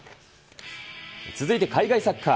続いて海外サッカー。